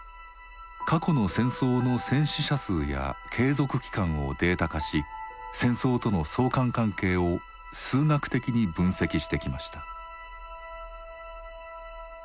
過去の戦争の戦死者数や継続期間をデータ化し戦争との相関関係を数学的に分析してきました。